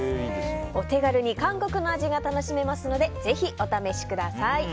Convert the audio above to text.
お手軽に韓国の味が楽しめますのでぜひお試しください。